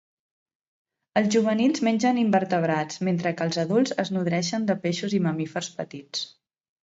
Els juvenils mengen invertebrats, mentre que els adults es nodreixen de peixos i mamífers petits.